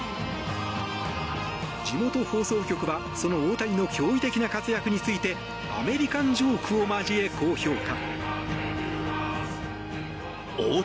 地元放送局はその大谷の驚異的な活躍についてアメリカンジョークを交えこう評価。